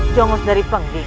jongus dari pengding